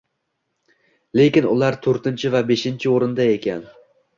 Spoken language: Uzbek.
Lekin ular to‘rtinchi va beshinchi o‘rinda ekan.